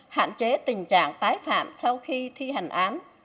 hạn chế tình trạng tái phạm sau khi thi hành án